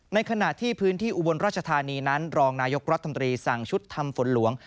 ในขณะที่พื้นที่อุบลราชธานีนั้นรองนายกรัฐมนตรีสั่งชุดทำฝนหลวง